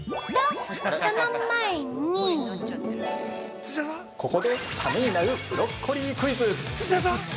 と、その前に◆ここでためになるブロッコリークイズ。